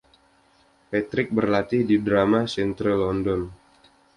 Patrick berlatih di Drama Centre London.